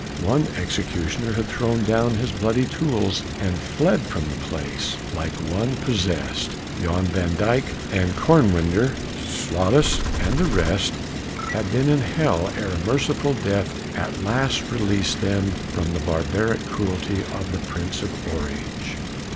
One executioner had thrown down his bloody tools and fled from the place like one possessed! Van Dyk and Korenwinder, Slatius and the rest had been in hell ere a merciful death at last released them from the barbaric cruelty of the Prince of Orange.